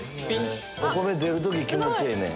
お米出る時気持ちええねん。